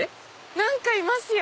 何かいますよ！